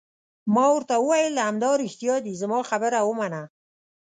ما ورته وویل: همدارښتیا دي، زما خبره ومنه.